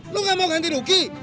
lo gak mau ganti rugi